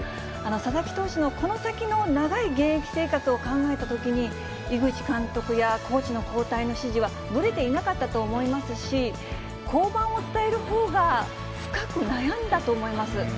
佐々木投手のこの先の長い現役生活を考えたときに、井口監督やコーチの交代の指示は、ぶれていなかったと思いますし、降板を伝えるほうが、深く悩んだと思います。